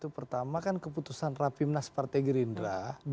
pertama kan keputusan rapimnas partai gerindra